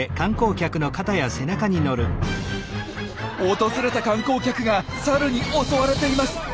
訪れた観光客がサルに襲われています！